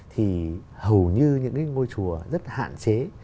thì hầu như những ngôi chùa rất hạn chế